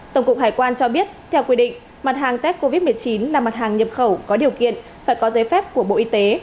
tổng cục hải quan cho biết theo quy định mặt hàng tết covid một mươi chín là mặt hàng nhập khẩu có điều kiện phải có giấy phép của bộ y tế